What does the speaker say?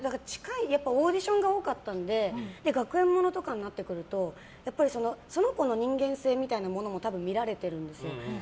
オーディションが多かったので学園ものとかになってくるとその子の人間性みたいなものも多分、見られているんですよ。